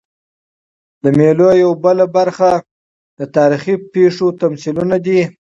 د مېلو یوه بله برخه د تاریخي پېښو تمثیلونه دي.